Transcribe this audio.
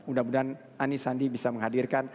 mudah mudahan ani sandi bisa menghadirkan